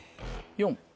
４。